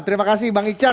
terima kasih bang iksan